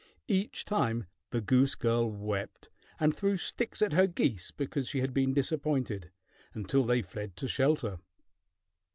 Each time the goose girl wept and threw sticks at her geese because she had been disappointed, until they fled to shelter.